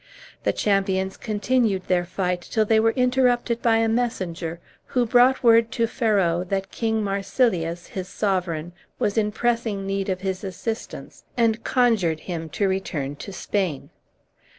The champions continued their fight till they were interrupted by a messenger, who brought word to Ferrau that king Marsilius, his sovereign, was in pressing need of his assistance, and conjured him to return to Spain.